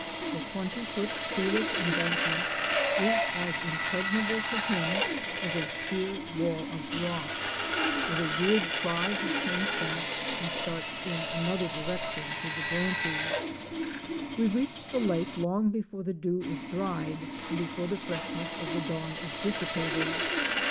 The twenty foot treeless embankment is as impregnable to him as a sheer wall of rock. With a weird cry he turns back and starts in another direction through the branches. Fic. 30, THe Fata, ''MoTHER OF THE LAKE." We reach the lake long before the dew is dried and before the freshness of the dawn is dissipated.